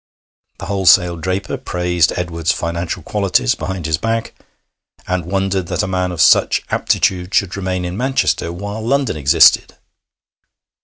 The wholesale draper praised Edward's financial qualities behind his back, and wondered that a man of such aptitude should remain in Manchester while London existed.